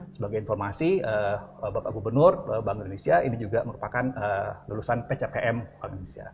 sebagai informasi bapak gubernur bank indonesia ini juga merupakan lulusan pcpm bank indonesia